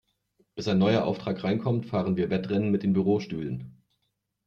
Bis ein neuer Auftrag reinkommt, fahren wir Wettrennen mit den Bürostühlen.